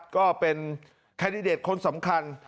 ก็เป็นแคนดิเดตคนสำคัญ